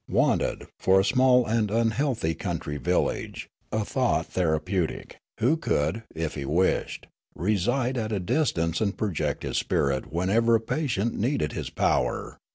' Wanted, for a small and unhealthy country village, a thought therapeutic, who could, if he wished, reside at a distance and project his spirit whenever a patient needed his power.